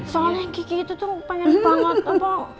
soalnya kiki itu tuh pengen banget